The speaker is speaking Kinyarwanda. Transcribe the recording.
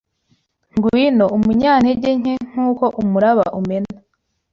Ngwino, umunyantege nke nkuko umuraba umena!